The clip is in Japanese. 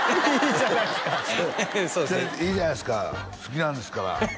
そうですね「いいじゃないですか好きなんですから」